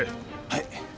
はい！